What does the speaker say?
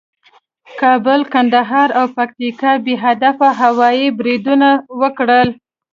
کابل، کندهار او پکتیکا کې بې هدفه هوایي بریدونه وکړل